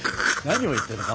何を言ってるの？